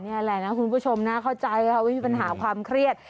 นี่แหละนะคุณผู้ชมน่าเข้าใจค่ะว่ามีปัญหาความเครียด